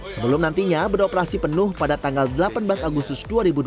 sebelum nantinya beroperasi penuh pada tanggal delapan belas agustus dua ribu dua puluh